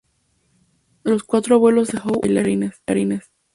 Los cuatro abuelos de Hough eran bailarines.